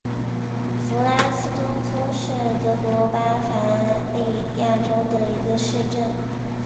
弗拉斯多尔夫是德国巴伐利亚州的一个市镇。